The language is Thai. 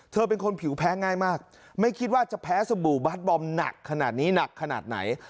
เธอเป็นคนผิวแพ้ง่ายมากไม่คิดว่าจะแพ้สบู่บัตบอมหนักขนาดนี้หนักขนาดไหน